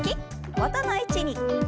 元の位置に。